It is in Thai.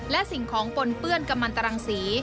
และสิ่งของปนเปื้อนกำมันตรังศรี